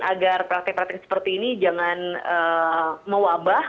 agar praktik praktik seperti ini jangan mewabah